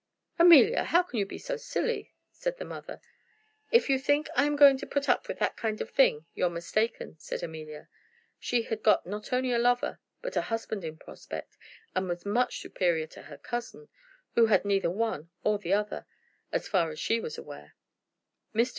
"Amelia, how can you be so silly?" said the mother. "If you think I'm going to put up with that kind of thing, you're mistaken," said Amelia. She had got not only a lover but a husband in prospect, and was much superior to her cousin, who had neither one or the other, as far as she was aware. "Mr.